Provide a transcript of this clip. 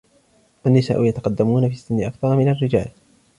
النساء يتقدمون في السن أكثر من الرجال.